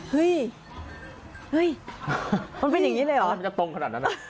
เฮ้ยมันเป็นแบบนี้เลยหรอ